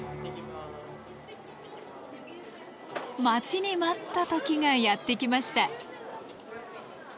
待ちに待った時がやって来ました。